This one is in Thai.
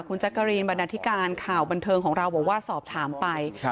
คุณจักรีนบรรดาธิการข่าวบันเทิงของเราบอกว่าสอบถามไป